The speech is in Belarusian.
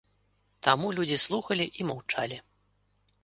Таму людзі слухалі і маўчалі.